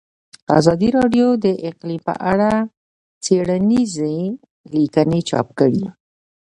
ازادي راډیو د اقلیم په اړه څېړنیزې لیکنې چاپ کړي.